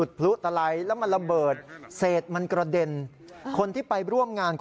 สีม่วงนี่ล่ะครับตรงข้างสีม่วงอีกไหมครับ